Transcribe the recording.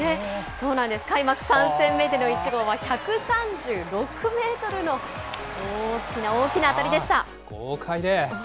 そうなんです、開幕３戦目での１号は、１３６メートルの大きな大豪快で。